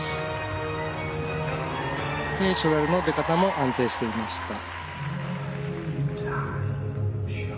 ステイショナルの出方も安定していました。